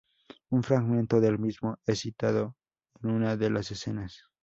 Un fragmento del mismo es citado en una de las escenas.